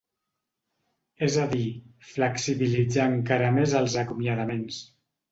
És a dir, flexibilitzar encara més els acomiadaments.